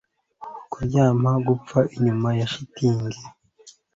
kuryama, gupfa, inyuma ya shitingi